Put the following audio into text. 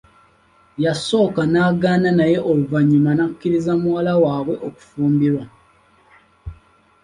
Yasooka n'agaana naye oluvannyuma n'akkiriza muwala waabwe okufumbirwa.